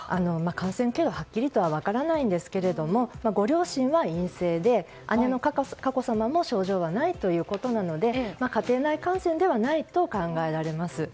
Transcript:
感染経路は、はっきりとは分からないんですけれどもご両親は陰性で姉の佳子さまも症状はないということなので家庭内感染ではないと考えられます。